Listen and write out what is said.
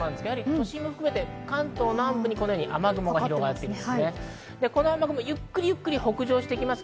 都心を含めて関東南部に雨雲が広がっています。